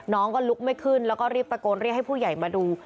น้องก็ลุกไม่ขึ้นแล้วก็รีบตะโกนเรียกให้ผู้ใหญ่มาดู